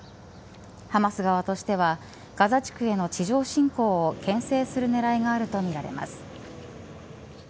ハマス側としてはガザ地区への地上侵攻をけん制する狙いがあるとみられます。